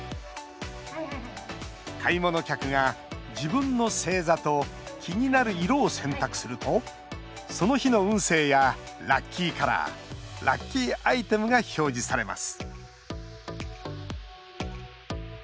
買い物客が、自分の星座と気になる色を選択するとその日の運勢やラッキーカラーラッキーアイテムが表示されます